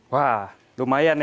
wah lumayan ya